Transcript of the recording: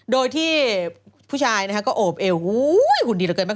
โดยที่ผู้ชายนะคะก็โอบเอวหุ่นดีเหลือเกินมาก